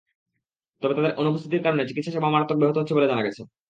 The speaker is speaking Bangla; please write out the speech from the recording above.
তবে তাঁদের অনুপস্থিতির কারণে চিকিৎসা সেবা মারাত্মক ব্যাহত হচ্ছে বলে জানা গেছে।